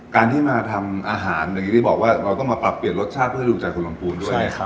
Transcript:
การที่มาทำอาหารเดี๋ยวกินที่บอกว่าเราต้องมาปรับเปลี่ยนรสชาติเพื่อดูจากคนรำพูลด้วย